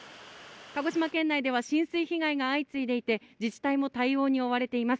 鹿児島県内では浸水被害が相次いでいて、自治体も対応に追われています。